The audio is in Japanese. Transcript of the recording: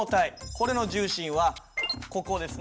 これの重心はここですね。